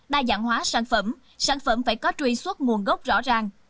đa dạng hóa sản phẩm sản phẩm phải có truy xuất nguồn gốc rõ ràng